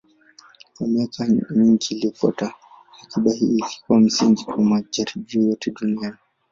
Kwa miaka mingi iliyofuata, akiba hii ilikuwa msingi wa majaribio yote duniani.